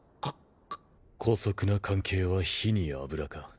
姑息な奸計は火に油か。